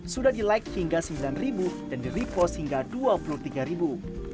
sudah di like hingga sembilan ribu dan di repost hingga dua puluh tiga ribu